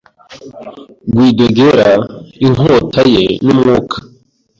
Guidoguerra inkota ye numwuka